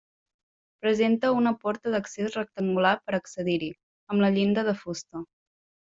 Presenta una porta d'accés rectangular per accedir-hi, amb la llinda de fusta.